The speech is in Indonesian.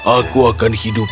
aku akan hidup